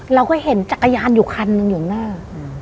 เราก็เห็นจักรยานอยู่คันหนึ่งอยู่หน้า